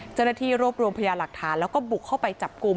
เจ้าหน้าที่รวบรวมพยาหลักฐานแล้วก็บุกเข้าไปจับกลุ่ม